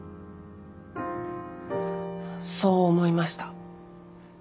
そう思いました。